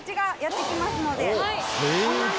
はい。